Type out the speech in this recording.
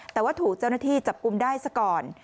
แต่ว่าถูกเจ้าหน้าที่จับกุมได้ซะก่อน